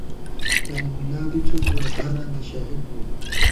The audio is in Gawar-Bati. کریم اللہ بی څھُوٹُووَہ ، داراں دی شہید بُوَہ